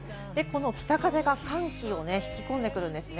北風が寒気を引き込んでくるんですね。